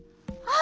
「あ！